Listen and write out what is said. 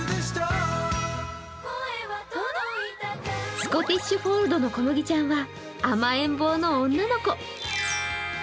スコティッシュフォールドのこむぎちゃんは甘えん坊の女の子。